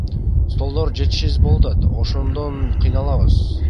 Столдор жетишсиз болот, ошондон кыйналабыз.